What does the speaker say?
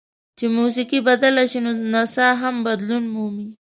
چې موسیقي بدله شي نو نڅا هم بدلون مومي.